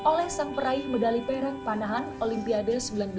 oleh sang peraih medali perang panahan olimpiade seribu sembilan ratus delapan puluh delapan